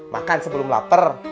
makan sebelum lapar